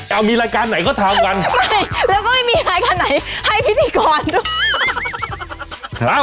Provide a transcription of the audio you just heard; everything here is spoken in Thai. เอามีรายการไหนก็ทำกันไม่แล้วก็ไม่มีรายการไหนให้พิธีกรด้วย